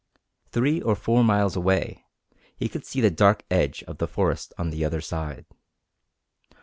Three or four miles away he could see the dark edge of the forest on the other side.